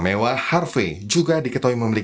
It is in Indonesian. mewah harvey juga diketahui memiliki